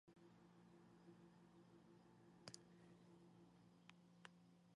It was such an exhilarating feeling, and everything looked so beautiful from up there.